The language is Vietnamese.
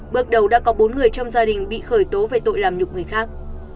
bước đầu đã có bốn người trong gia đình bị khởi tố về tội làm nhục người khác